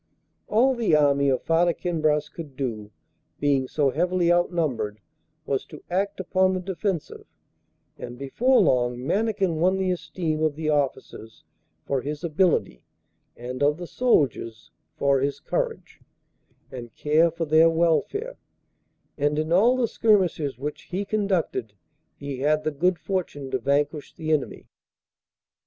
All the army of Farda Kinbras could do, being so heavily outnumbered, was to act upon the defensive, and before long Mannikin won the esteem of the officers for his ability, and of the soldiers for his courage, and care for their welfare, and in all the skirmishes which he conducted he had the good fortune to vanquish the enemy.